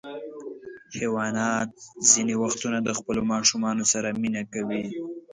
حیوانات ځینې وختونه د خپلو ماشومانو سره مینه کوي.